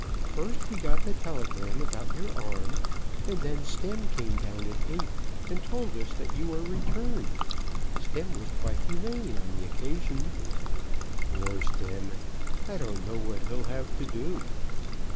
First we got the telegram about your arm, and then Stemm came down at eight and told us that you were returned. Stemm was quite humane on the occasion." "Poor Stemm! I don't know what he'll have to do."